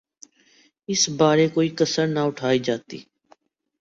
اس بارے کوئی کسر نہ اٹھائی جاتی۔